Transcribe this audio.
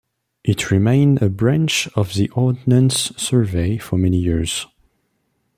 It remained a branch of the Ordnance Survey for many years.